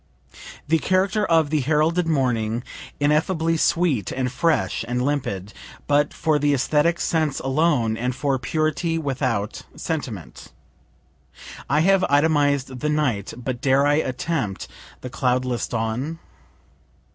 The character of the heralded morning, ineffably sweet and fresh and limpid, but for the esthetic sense alone, and for purity without sentiment. I have itemized the night but dare I attempt the cloudless dawn?